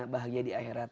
bahagia di akhirat